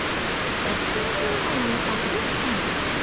家畜の世話を終えた清さん。